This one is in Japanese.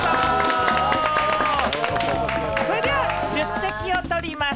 それでは出席をとります。